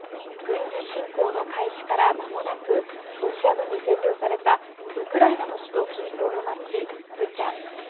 軍事侵攻の開始から、まもなくロシア軍に占領されたウクライナの首都近郊の町ブチャ。